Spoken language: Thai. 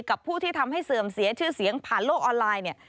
ผู้ที่ทำให้เสื่อมเสียชื่อเสียงผ่านโลกออนไลน์เนี่ย